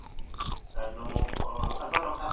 دا برابر دي.